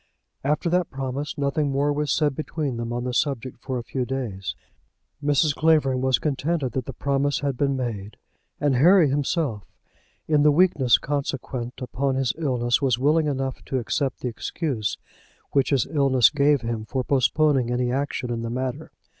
After that promise nothing more was said between them on the subject for a few days. Mrs. Clavering was contented that the promise had been made, and Harry himself, in the weakness consequent upon his illness, was willing enough to accept the excuse which his illness gave him for postponing any action in the matter.